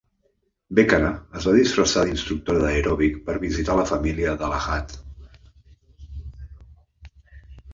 Bechara es va disfressar d'instructora d'aeròbic per visitar la família de Lahad.